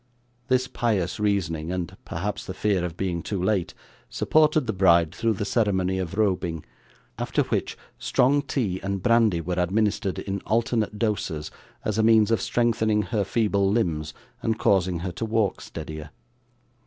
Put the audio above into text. This pious reasoning, and perhaps the fear of being too late, supported the bride through the ceremony of robing, after which, strong tea and brandy were administered in alternate doses as a means of strengthening her feeble limbs and causing her to walk steadier.